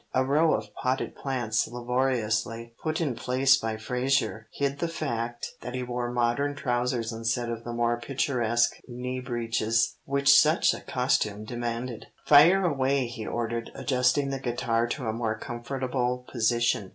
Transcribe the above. A row of potted plants laboriously put in place by Frazer hid the fact that he wore modern trousers instead of the more picturesque knee breeches which such a costume demanded. "Fire away," he ordered, adjusting the guitar to a more comfortable position.